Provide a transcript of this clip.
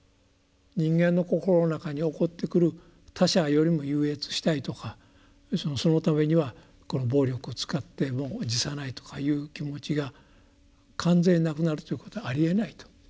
人間の心の中に起ってくる他者よりも優越したいとかそのためにはこの暴力を使っても辞さないとかいう気持ちが完全になくなるということはありえないと。